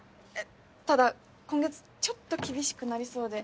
ただ今月ちょっと厳しくなりそうで。